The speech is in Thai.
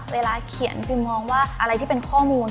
เวลาเขียนฟิล์มองว่าอะไรที่เป็นข้อมูล